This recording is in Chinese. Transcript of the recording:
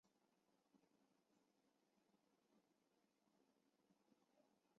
成化十七年辛丑科进士。